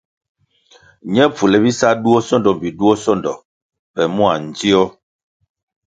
Ñe pfule bisa duo sondo mbpi duo sondo pe mua ndzio.